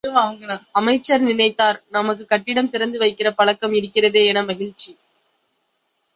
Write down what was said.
அமைச்சர் நினைத்தார், நமக்குக் கட்டிடம் திறந்து வைக்கிற பழக்கம் இருக்கிறதே என மகிழ்ச்சி.